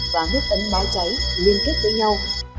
và nước ấn báo cháy liên kết với nhau